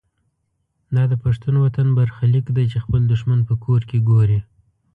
دا د پښتون وطن برخلیک دی چې خپل دښمن په کور کې ګوري.